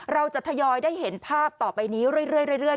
เราจะทยอยได้เห็นภาพต่อไปนี้เรื่อย